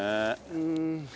うん。